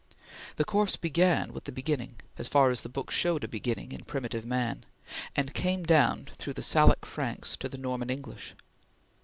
The course began with the beginning, as far as the books showed a beginning in primitive man, and came down through the Salic Franks to the Norman English.